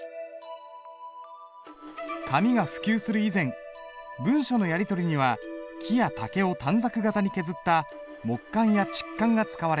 紙が普及する以前文書のやり取りには木や竹を短冊形に削った木簡や竹簡が使われた。